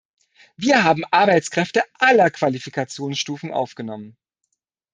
Wir haben Arbeitskräfte aller Qualifikationsstufen aufgenommen.